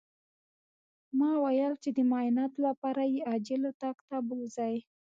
ما ويل چې د معايناتو لپاره يې عاجل اتاق ته بوځئ.